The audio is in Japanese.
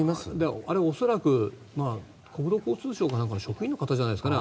あれ、恐らく国土交通省かなんかの職員の方じゃないですかね。